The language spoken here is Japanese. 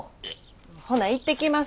ほな行ってきます。